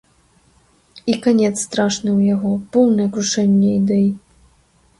І канец страшны ў яго, поўнае крушэнне ідэй.